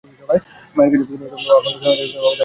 মায়ের কাছে প্রতিনিয়ত অকুণ্ঠ শরণাগতিই আমাদের শান্তি দিতে পারে।